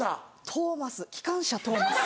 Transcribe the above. トーマスきかんしゃトーマス。